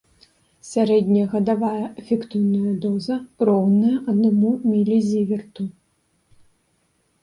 Сярэдняя гадавая эфектыўная доза роўная аднаму мілізіверту.